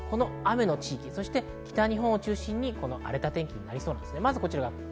雨の地域、そして北日本を中心に荒れた天気になりそうです。